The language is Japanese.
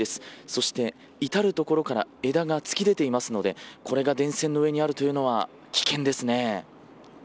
そして、至るところから枝が突き出ていますのでこれが電線の上にあるというのは危険ですね。